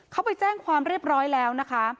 เขาไปแจ้งความเรียบร้อยแล้วนะคะ